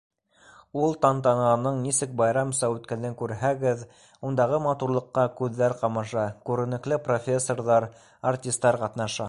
Ул тантананың нисек байрамса үткәнен күрһәгеҙ, ундағы матурлыҡҡа күҙҙәр ҡамаша, күренекле профессорҙар, артистар ҡатнаша.